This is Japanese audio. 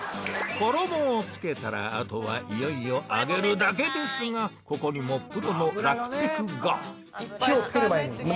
衣を付けたらあとはいよいよ揚げるだけですがここにもプロの楽テクが！